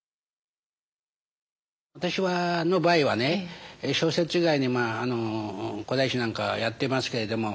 私の場合はね小説以外に古代史なんかやってますけれども。